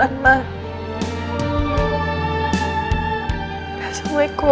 kalau dia hidupin windows